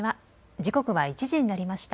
時刻は１時になりました。